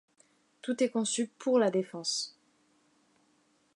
Tout est conçu pour la défense.